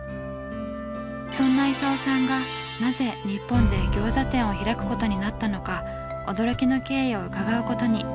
そんな功さんがなぜ日本で餃子店を開くことになったのか驚きの経緯を伺うことに。